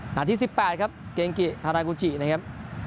นาที๑๘ครับเกงกิฮารากูจินะครับ